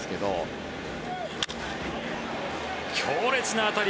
強烈な当たり。